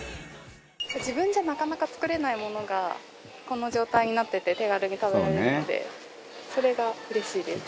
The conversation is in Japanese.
自分じゃなかなか作れないものがこの状態になってて手軽に食べられるのでそれがうれしいです。